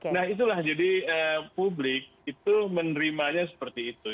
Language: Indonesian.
nah itulah jadi publik itu menerimanya seperti itu